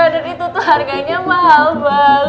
dan itu tuh harganya mahal banget michelle